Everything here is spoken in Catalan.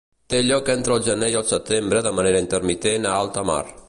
Té lloc entre el gener i el setembre de manera intermitent a alta mar.